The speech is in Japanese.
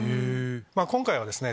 今回はですね